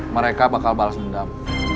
mereka bakal balas dendam